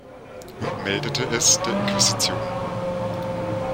Und meldete es der Inquisition.